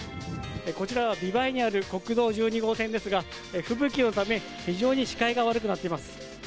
こちらは美唄にある国道１２号線ですが、吹雪のため、非常に視界が悪くなっています。